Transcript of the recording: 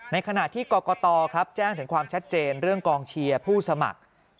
ในขณะที่กรกตครับแจ้งถึงความชัดเจนเรื่องกองเชียร์ผู้สมัคร